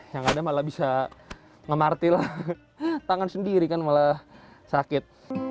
yang ada malah bisa ngemaril tangan sendiri kan malah sakit